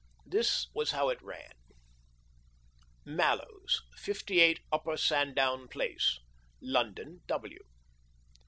This was how it ran — Mallows, 58, Upper Sandown Place, London, W.